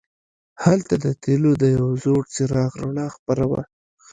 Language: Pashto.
هلته د تیلو د یو زوړ څراغ رڼا خپره وه.